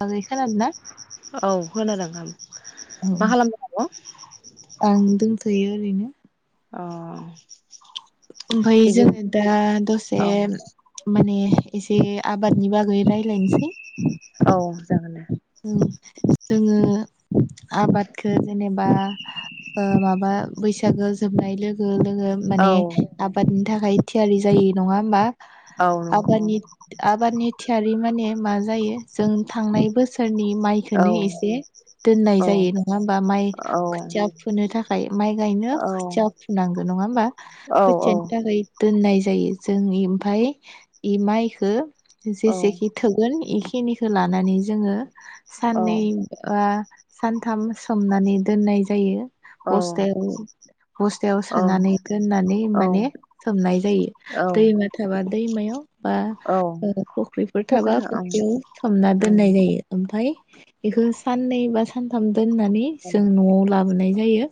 बागै खोनादों ना औ खोनादों नोंथां औ मा खालामदों आं आब। दोंथ'यो ओरैनो। अ ओमफाय बिदि जोङो दा दसे औ माने एसे आबादनि बागै रायजलायनोसै। औ जागोन दे। आबादखौ जेनेबा ओ माबा बैसागो जोबनाय लोगो जोङो औ माने आबादनि थाखाय थियारि जायो। नङा होमबा। औ नंगौ आबादनि आबादनि थियारि माने मा जायो जों थांनाय बोसो रफोरनि औ माइखौनो एसे दोननाय औ जायो नङा होमबा माइ औ खोथिया फोनो थाखाय माइ गायनो औ खोथिया फुनांगोन नङा होमबा औ खोथियानि थाखाय दोननाय जायो जों इमफ्राय इ माइखौ जेसेखि थोगोन खिनिखौ लानानै जोङो [inaudible] साननै आ सानथाम सोमनानै दोननाय जायो। औ बस्थायाव बस्थायाव सोनानै दोननानै माने सोमनाय जायो औ दैमा थाबा दैमायाव बा औ फुख्रिफोर फख्रि थाबा फुख्रियाव सोमना ओं दोननाय जायो। ओमफ्राय बेखौ साननै बा सानथाम दोननानै जों नआव ला बोनाय जायो।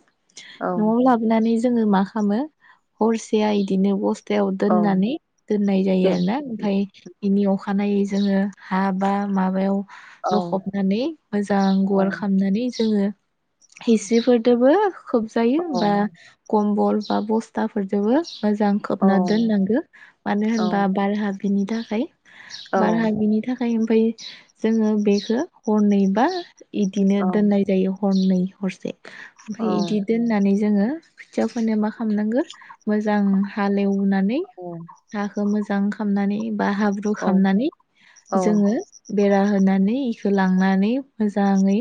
ओं औ नआव लाबनानै जोङो मा खामो हरसेया इदिनो दैयाव औ दोननानै दोननाय जायो दे आरो ना ओमफ्राय इनि अखानायै जोङो हा बा माबायाव औ लखबनानै मोजां गुवार खालामनानै जोङो हिस्रि फोरदोबो खोबजायो औ बा कम्बल बा बस्थाफोरजोबो मोजां औ खोबना दोननांगो मानो औ होनबा बारहाबिनि थाखाय। है। औ बारहाबिनि थाखाय। फ्राय ओमफ्राय जोङो बे। हरनैबा। इदिनो दोननाय जायो। हरनै हरसे। औ ओमफ्राय इदि दोननानै। जोङो। खोथिया फोनो मा खामनांगो मोजां हालेवनानै हाखौ मोजां खालामनानै। बा हाब्रु खालामनानै औ जोङो बेरा होनानै। होलांनानै मोजाङै।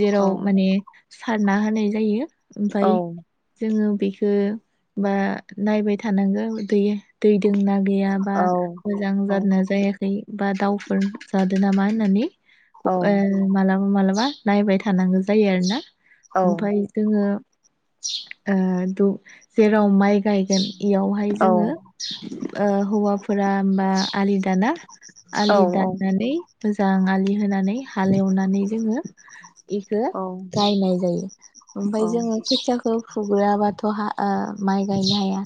जेराव माने। सारना होनाय जायो। ओमफाय जोङो। बेखो बा नायबाय थानांगौ दै दै। दोंना गैया बा मोजां जादोंना जायाखै बा दावउफोर जादो नामा। नानै। औ गं ओ मालाबा माबलाबा। नायबाय थानांगौ जायो आरो ना। औ ओमफाय जोङो। ओ दु जेराव माइ। गायगोन इयावहाय औ जोङो‌। ओ हौवाफोरा होमबा आलि दाना। आलि औ दाननानै मोजां आलि। होनानै हाल एवनानै जोङो। इखो औ गायनाय जायो औ ओमफ्राय जोङो खोथियाखौ [unintelligible] बाथ हा ओ माइ गायनो हाया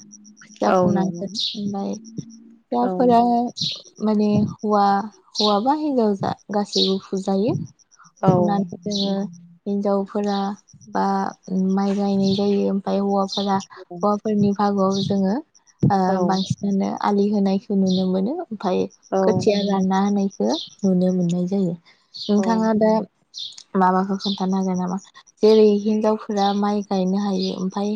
औ नंगौ खोथिया औ [unintelligible] माने हुवा हुवा बा हिनजाव जा गासैबो फुजायो। औ फुना जोङो नंगौ हिनजाव फोरा बा माइ गायनाय जायो ओमफ्राय हौवा [unintelligible] हौवाफोरनि भागोआव जोङो औ बांसिनानो आलि होनाय नुनो मोनो। ओमफ्राय औ खोथिया रानना होनायखो नुनो मोनो। जायो। औ नोंथाङा दा माबाखौ खोन्थानो हागोन नामा जेरै हिनजावफोरा माइ गायनो हायो ओमफाय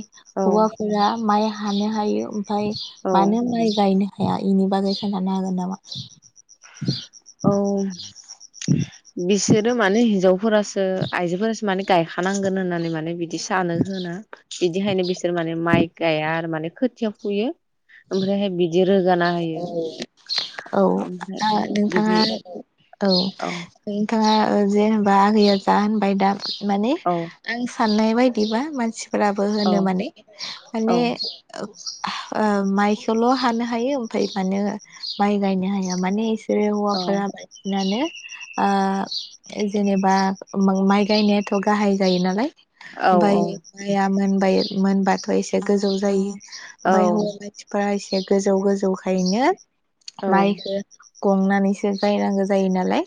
हुवा फोरा माइ हानो हायो। ओमफाय औ मानो माइ गायनो हाया इनि बागै खोनानो हागोन नामा? औ बिसोरो माने हिनजाव फोरासो आइजोफोरासो माने गायखानांगोन होननानै माने बिदि बिदि सानो होना बिदिहायनो बिसोर माने माइक गाइया आरो माने खोथियाव फुयो। ओमफ्रायहाय बिदि रोगाना होयो। [inaudible] औ ओमफ्राय बिदि नोंथाङा औ नोंथाङा [unintelligible] जा होनबाय दा माने औ आं साननाय बायदिबा मानसि फोराबो औ होनो माने औ माने [unintelligible] माइखौल हानो हायो ओमफाय मानो माइ गायनो हाया माने औ हौवाफोरा बांसिन नानो ओ जेनेबा माइ गायनायाथ गाहाय जायो नालाय औ बाय माया मोनबाय। मोनबाथ एसे गोजौ जायो। औ बाय हआ फ्राय एसे गोजौ गोजौ जखायनो औ माइखौ गंनानै जायनांगौ जायो नालाय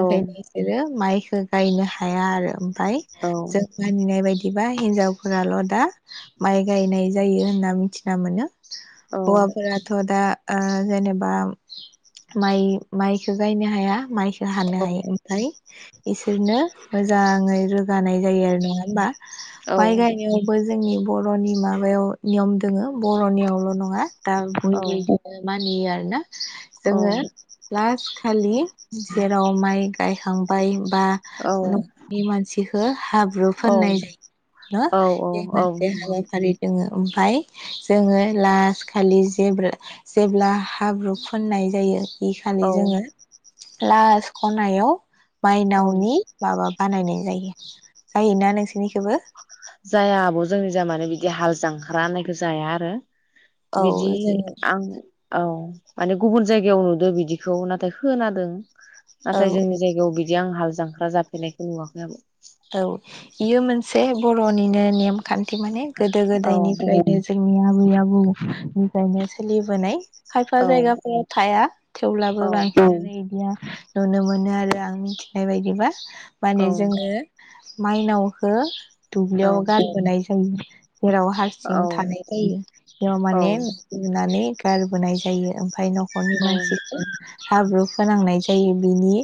ओंखायनो इसोरो माइ बेखौ गायनो हाया आरो फाय जों मानिनाय बायदिबा हिनजावफोराल' दा माइ गायनाय जायो होनना मिथिना मोनो। हौवाफोराथ' दा ओ जेनेबा माइ माइखो गायनो हाया माइ हानो हायो ओमफ्राय इसो बिरनो मोजाङै रो गानाय जायो नङा होनबा? औ माइ गायनायावबो जोंनि बर'नि माबायाव नियम दोङो । बर'नियाव ल' नङा दा औ बयबो [unintelligible] मानियो आरो ना? औ जोङो लास्ट खालि जेराव माइ गायखांबाय बा औ नखरनि मानसि हाब्रु औ फोननाय जायो न? औ औ बे औ मोनसे नंगौ हाबाफारि दोङो ओमफाय जोङो लास खालि जेब्ला जेब्ला हाब्रु फुननाय जायो बे खालि औ जोङो लास खनायाव औ माइनावनि माबा बानायनाय जायो। जायोना नोंसिनिखैबो? जाया आब, जोंनिजा मानोे बिदि हाल जांख्रा होननायखौ जाया आरो। औ बिदि जों आं औ माने गुबुन जायगायाव नुदों बिदिखौ नाथाय खोनादों औ नाथाय जोंनि जायगायाव बिदि आं हाल जांख्रा जाफेरनायखौ नुवाखै आब। औ। बियो मोनसे बर'निनो नेम खान्थि माने गोदो औ गोदायनिफ्रायनो जोंनि आबै आबौनिफ्रायनो सोलिबोनाय खायफा औ जायगाफोराव थाया थेवब्लाबो बांसिनानो बिदिया नुनो मोनो आरो आं मिथिनाय बायदिबा औ माने जोङो माइनावखो औ दुब्लियाव गारबोनाय जायो। जेराव औ हारसिं थानाय जायो बेयाव औ माने लुनानै गारबोनाय जायो। ओमफफ्राय नखरनि मानसिफोर हाब्रु फोनांनाय जायो बेनि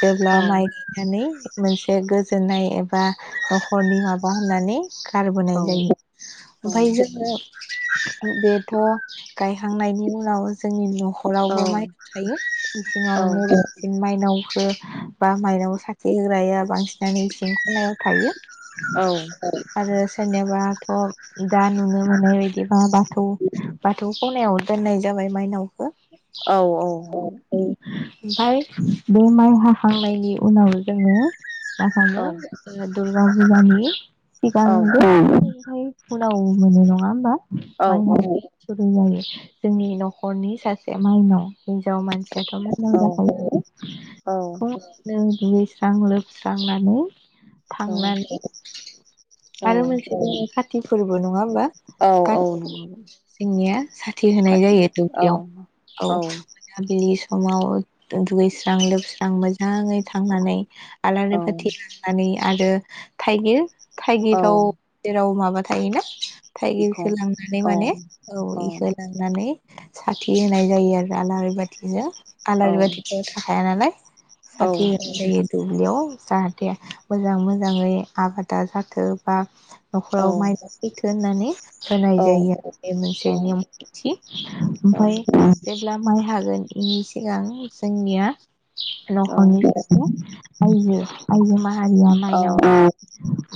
जेब्ला माइ गायनानै मोनसे गो जोननाय एबा नख'रनि माबा होननानै औ गारबोनाय जायो ओमफाय जोङो बेथ‌' गायहांनायनि उनाव जोंनि न' औ नख'रावबो माइ थायो औ इसिङावनो बांसिन माइनाव बो बा माइनाव साखि होग्राया बांसिन नानो इसिं खनायाव थायो। आरो सोरनियाव बाथ' दा नुनो मोननाय बायदिबा बाथौ बाथौ खनायाव दोननाय जाबाय मायनावखो। औ औ ओमफाय बे माइ हाखांनायनि उनाव जोङो [unintelligible] दुरगा फुजानि सिगांहाय उनाव मोनो नङा होमबा? माइ हानाय [unintelligible] जायो जोंनि नख'रनि सासे माइनाव। हिनजाव मानसियाथ' औ [unintelligible] दुगै स्रां लोब स्रांनानै औ थांनानै औ आरो मोनसे खाथि थिफोरबो नङा होमबा? औ औ नंगौ जोंनिया साथि होनाय खाथि जायो औ दुब्लियाव औ मोनाबिलि स समाव दुगैस्रां लोबस्रां मोजाङै थांनानै औ आलारि बाथि लांनानै आरो थाइगिर औ थाइगिराव जेराव माब थायो ना? थाइगिरखौ बिखं लांनानै औ माने औ इखौ लांनानै साथि होनाय जायो आरोना आलारि बाथिजों। औ आलारि बाथि [unintelligible] हाया नालाय औ साथि होनाय जायो दु बलियाव जाहाथे मोजां मोजाङै आबादा जाथो बा औ न'खराव माइनाव फैथों होननानै। होनाय औ जायो आरो बे मोनसे निमान्थि ओमफ्राय जेब्ला माइ हागोन इनि सिगां जोंनिया न'खरनि [unintelligible] सारिया माइनाव औ।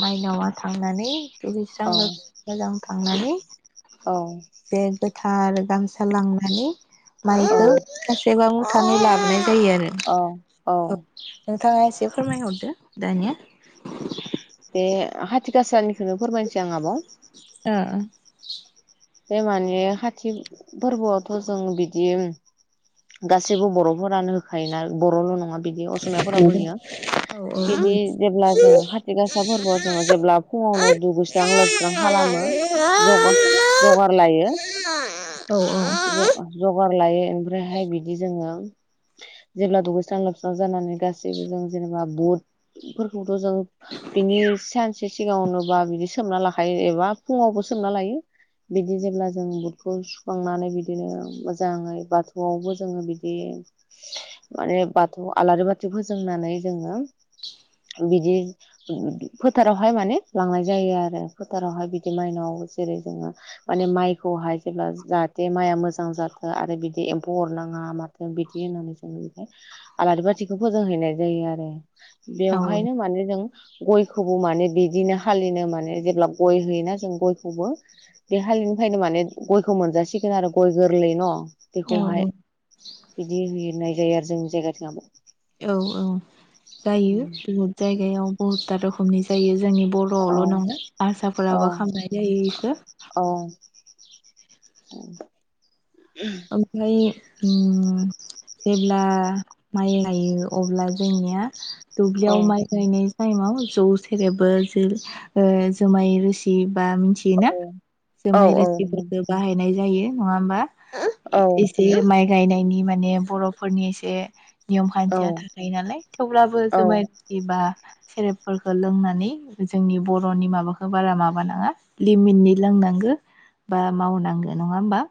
माइनावा थांनानै दुगैस्रां लोब मोजां थांनानै औ। थार गामसा लांनानै माइखौ [unintelligible] [unintelligible] लाबोनाय जायो आरो। औ औ। नोंथाङा एसे फोरमायहरदो दानिया? बे हाथिखासानिखौनो फोरमायनोसै आं आब' ओ ओ। बे माने खाथि फोरबोआवथ' जों बिदि गासैबो बर'फोरानो होखायोना बरल' नङा बिदि असमियाफोराबो होयो औ औ बिदि जेब्ला जों खाथि गासा फोरबोआव जोंङो जेब्ला फुङावनो दुगैस्रां लोबस्रां खालामो जग लायो। ज-जगार लायो ओमफ्रायहाय बिदि जोंङो जेब्ला दुगैस्रां लोबस्रां जानानै गासैबो जों जेनेबा बुटफोरखौ जों बिनि सानसे सिगांआवनोबा बिदिस सोमना लाखायो एबा फुङावबो सोमनालायो बिदि जेब्ला जों बुटखौ सुखांनानै बिदिनो मोजाङै बाथौआवबो जोंङो बिदि माने बाथौ आलारि बाथि फोजोंनानै जोंङो बिदि फोथारावहाय माने लांनाय जायो आरो फोथारावहाय बिदि मायनाव जेरै जोंङो माने माइखौहाय जेब्ला जा बे माइया मोजां जाथो आरो बिदि एम्फौ अरनाङा माथों बिदि होननानै जों बेहाय आलारि बाथिखौ फोजोंहैनाय जायो आरो। बेवहायनो औ माने जों गयखौबो माने बिदिनो हालिनो माने जेब्ला गय होयोना जों गयखौबो बे हालिनिफ्रायनो माने गयखौ मोनजासिगो न आरो गय गोरलै न। बेखौहाय बिदि होयो। नाय जायो आरो जोंनि जायगाथिं आब'। औ औ गायो बुहुत जायगायाव बहुदता रखमनि जा जायो। जोंनि बर' औ आवल नङा औ आरसाफोराबो खालामामनाय जायो इखो। ओं। ओमफ्राय ओम जेब्ला माइ लाइयो अब्ला जोंनिया दुब्लियाव औ माइ गायनाय टाइमाव जौसे जेरैबो जो ओ जोमाय रोसि बा मिथियोना औ औ जोमाय रोसिफोरखो बाहायनाय जायो। नङा ओमबा। औ इ इसे माइ गायनाय नि माने बर' फोरनि एसे नियम औ खान्थिया थाखायो नालाय थेवब्लाबो औ जोमाय होयोबा सेरेबफोरखो लोंनानै जोंनि बर'नि माबाखो बारा माबानाङा लिमिटनि लोंनांगो बा मावनांगो नङा ओमबा।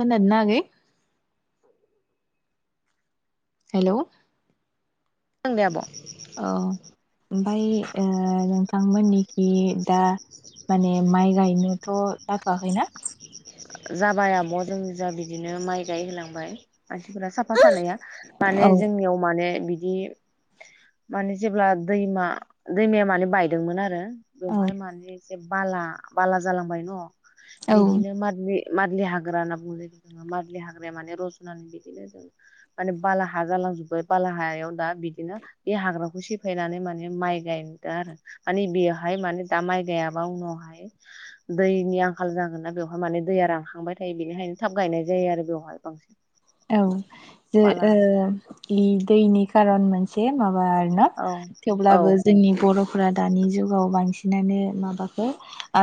खोनादोना आगै? हेलौ [unintelligible] आब'। औ ओमफाय ओ नोंथांमोननि बे दा माने माइ गायनोथ' जाथ'वाखैना? जाबाय आब' जों जा बिदिनो माइ गायहोलांबाय। मानसिफोरा साफा सानैया माने औ जोंनियाव माने बिद दि माने जेब्ला दैमा दैमाया माने बायदोंमोन आरो औ बहाय माने से बाला बाला जालांबाय न। जो बिदिनो मान मादलि हाग्रा होनना बुंङो जे जोङो मादलि हाग्राया माने रज'नानानै बिदिनो जों माने बाला हा जालांजोबबाय बाला हायाव दा बिदिनो बे हाग्राखौ सेफायनानै माने माइ गायदो आरो माने बेयावहाय माने दा माइ गायाबा उनावहाय दैनि आंखाल जागोनना बेवहाय माने दैया रानखांबाय थायो बेनिखायनो थाब गायनाय जायो आरो बेवहाय बांसिन। औ जे बाला ओ हायाव इ दैनि कारन मोनसे माब बा आरो ना औ औ थेवब्लाबो जोंनि बर फोरा दानि जुगाव बांसिन माने माबाखो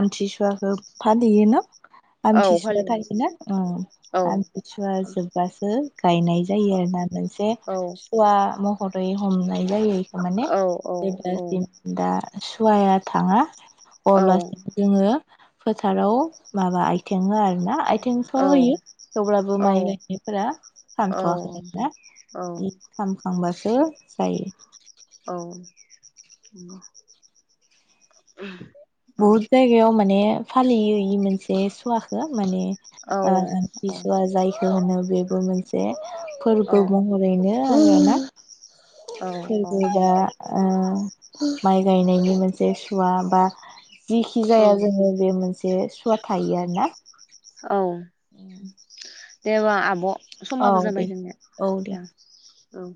आमथिसुवाखो फालियोना। औ आमथिसुवा फालिनानै थायोना औ अह आमथिसुवा जोब हो? गायनाय जायो औ आरो ना मोनसे औ सुवा मह दरै हमनाय जायो माने औ औ जेब्लासिम दा उवाया थाङा। औ अब्लासिम जोङो फोथाराव माबा आइथेङो आरो ना आइ औ थेंफ्राव होयो थेवब्लाबो माइ गाय बेफोरा खामथ'वाखैमोनना बे खामखांबासो सो जायो। औ [inaudible] बहुद जायगायाव माने फालियो इ मोनसे सुवाखो माने औ ओ [unintelligible] जायखो होनो बे बो मोनसे औ फोरबो महरैनो [unintelligible] औ फोरबो बा ओ माइ गायनायनि मोनसे सुवा बा जिखि औ जाया जोङो बे मोनसे [unintelligible] थायो आरो ना। औ। [unintelligible] ब' औ समाबो दे जाबाय जोंनिया दे। औ।